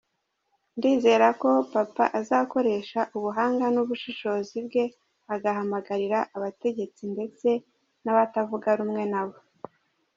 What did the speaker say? Ndizera ko papa azakoresha ubuhanga n’ubushishozi bwe, agahamagarira abategetsi ndetse n’abatavugarumwe nabo.